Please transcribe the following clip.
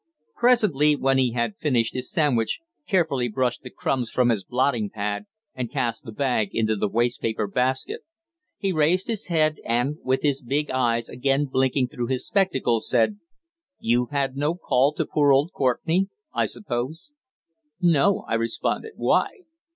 Presently, when he had finished his sandwich, carefully brushed the crumbs from his blotting pad and cast the bag into the waste paper basket, he raised his head and with his big eyes again blinking through his spectacles, said: "You've had no call to poor old Courtenay, I suppose?" "No," I responded. "Why?"